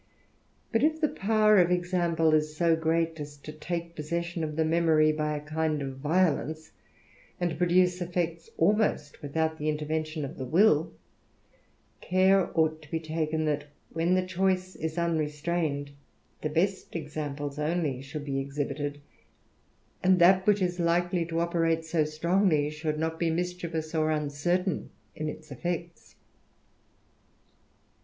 But if the power of example is so great as to take possession of the memory by a kind of violence, and produce effects almost wilhout the intervention of the will, care ought lo be taken, that, when the choice is unrestrained, the best examples only should be exhibited ; and that which is likely to J 1 6 THE RAMBLER, operate so strongly, should .not be mischievous or uncertain in its effects.